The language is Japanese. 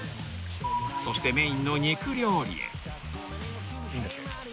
［そしてメーンの肉料理へ］